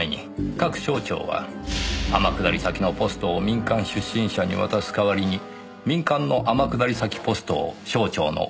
各省庁は天下り先のポストを民間出身者に渡す代わりに民間の天下り先ポストを省庁のＯＢにもらう。